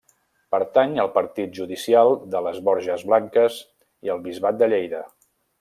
Pertany al Partit Judicial de les Borges Blanques i al Bisbat de Lleida.